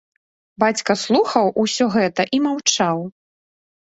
Бацька слухаў усё гэта і маўчаў.